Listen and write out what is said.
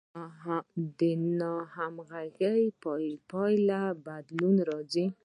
د ناهمغږۍ په پایله کې بدلون راځي.